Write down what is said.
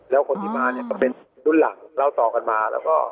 แล้วคนที่มาก็เป็นรุ่นหลังเล่าต่อกันมา